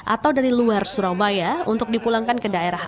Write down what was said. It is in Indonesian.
atau dari luar surabaya untuk dipulangkan ke daerah